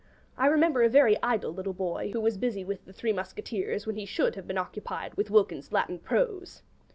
I remember a very idle little boy who was busy with the 'Three Musketeers' when he should have been occupied with 'Wilkins's Latin Prose.'